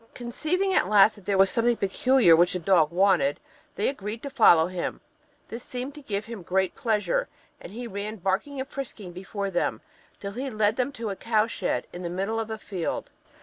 Conceiving at last there was something particular which the dog wanted, they agreed to follow him: this seemed to give him great pleasure, and he ran barking and frisking before them, till he led them to a cow shed, in the middle of a field.